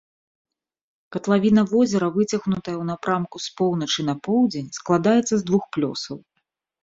Катлавіна возера выцягнутая ў напрамку з поўначы на поўдзень, складаецца з двух плёсаў.